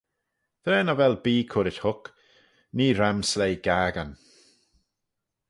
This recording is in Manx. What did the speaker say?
Tra nagh vel bee currit huc, nee ram sleih gaccan.